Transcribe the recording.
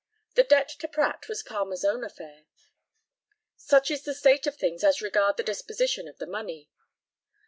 The debt to Pratt was Palmer's own affair. Such is the state of things as regards the disposition of the money.